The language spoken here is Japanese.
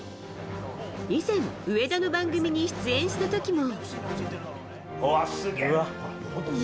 以前上田の番組に出演した時も。